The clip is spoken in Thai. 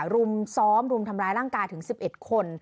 รุมซ้อมรุมทำร้ายร่างกายถึง๑๑คน